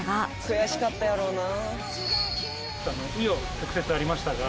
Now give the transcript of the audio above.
「悔しかったやろうな」